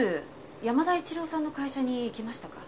山田一郎さんの会社に行きましたか？